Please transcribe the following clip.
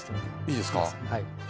いいですか？